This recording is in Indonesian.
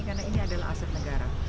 karena ini adalah aset negara